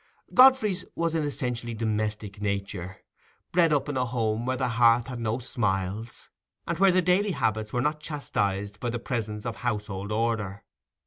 Godfrey's was an essentially domestic nature, bred up in a home where the hearth had no smiles, and where the daily habits were not chastised by the presence of household order.